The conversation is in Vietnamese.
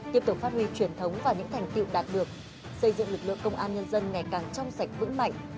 tiếp tục phát huy truyền thống và những thành tiệu đạt được xây dựng lực lượng công an nhân dân ngày càng trong sạch vững mạnh